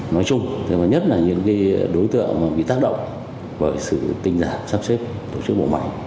nói chung và nhất là những đối tượng bị tác động bởi sự tinh giản sắp xếp tổ chức bộ máy